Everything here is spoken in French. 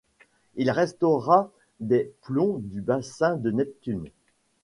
Il restaura les plombs du bassin de Neptune.